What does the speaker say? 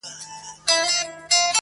دسرونو بازار تود ؤ -